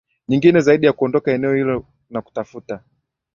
nyingine zaidi ya kuondoka eneo hilo na kutafuta